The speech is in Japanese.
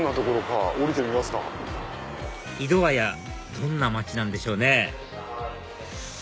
どんな街なんでしょうね